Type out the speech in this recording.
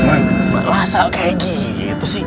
masalah kayak gitu sih